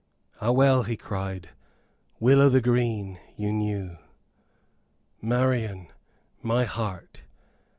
"Ah, well," he cried, "Will o' th' Green you knew! Marian, my heart